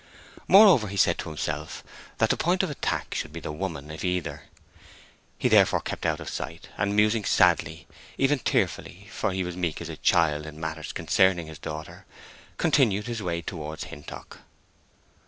Moreover, he said to himself that the point of attack should be the woman, if either. He therefore kept out of sight, and musing sadly, even tearfully—for he was meek as a child in matters concerning his daughter—continued his way towards Hintock.